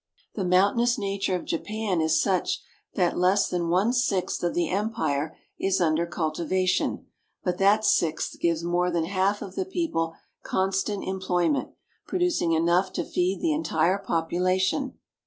The mountainous nature of Japan is such that less than one sixth of the empire is under cultivation ; but that sixth gives more than half of the people constant employment, producing enough to feed the entire population.